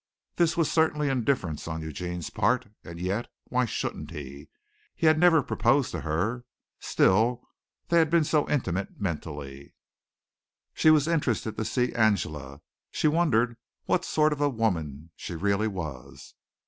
This was certainly indifference on Eugene's part, and yet, why shouldn't he? He had never proposed to her. Still they had been so intimate mentally. She was interested to see Angela. She wondered what sort of a woman she really was.